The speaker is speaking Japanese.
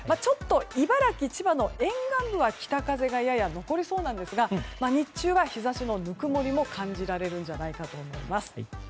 茨城、千葉の沿岸部は北風がやや残りそうなんですが日中は日差しのぬくもりも感じられるんじゃないかと思います。